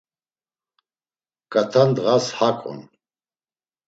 Ǩat̆a ndğas hak on.